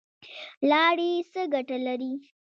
لاړې څه ګټه لري؟